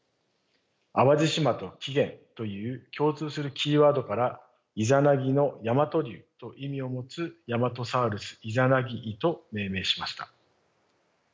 淡路島と起源という共通するキーワードから伊弉諾の倭竜と意味を持つ「ヤマトサウルス・イザナギイ」と命名しました。